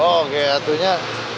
bener oh kayaknya